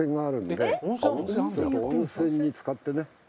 温泉につかってね